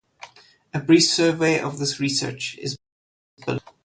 A brief survey of this research is below.